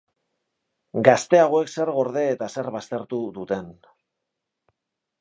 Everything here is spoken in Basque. Gazteagoek zer gorde eta zer baztertu duten.